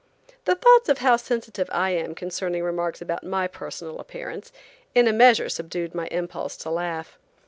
The thoughts of how sensitive I am concerning remarks about my personal appearance, in a measure subdued my impulse to laugh.